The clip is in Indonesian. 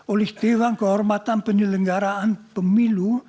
oleh dewan kehormatan penyelenggaraan pemilu